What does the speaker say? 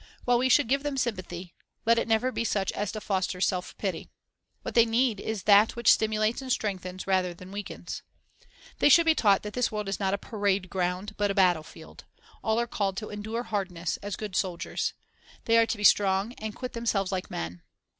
While we should give them sympathy, let it never be such as to foster self pity. What they need is that which stimulates and strengthens rather than weakens. They should be taught that this world is not a parade ground, but a battle field. All are called to endure hardness, as good soldiers. They are to be " Be stroa s' strong, and quit themselves like men.